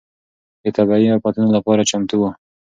د طبيعي افتونو لپاره چمتو و.